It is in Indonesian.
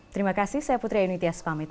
terima kasih saya putri ayuni tias pamit